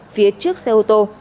phía trước xe ô tô